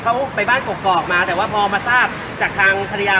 แล้วไอพวกนี้ก็มาขนะแก่แหนผมไม่เข้าใจว่า